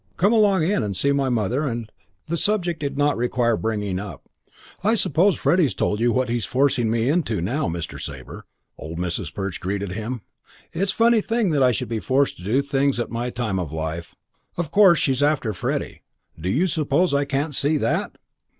Come along in and see my mother and keep her to it." The subject did not require bringing up. "I suppose Freddie's told you what he's forcing me into now, Mr. Sabre," old Mrs. Perch greeted him. "It's a funny thing that I should be forced to do things at my time of life. Of course she's after Freddie. Do you suppose I can't see that?"